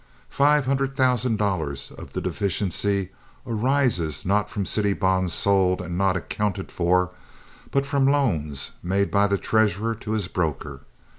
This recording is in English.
Five hundred thousand dollars of the deficiency arises not from city bonds sold and not accounted for, but from loans made by the treasurer to his broker.